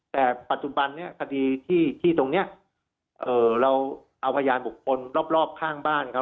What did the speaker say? แต่ปัจจุบันนี้คดีที่ตรงนี้เราเอาพยานบุคคลรอบข้างบ้านเขา